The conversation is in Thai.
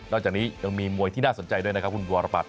จากนี้ยังมีมวยที่น่าสนใจด้วยนะครับคุณวรปัต